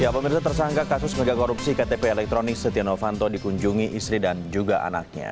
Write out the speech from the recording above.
pemirsa tersangka kasus megakorupsi ktp elektronik setia novanto dikunjungi istri dan juga anaknya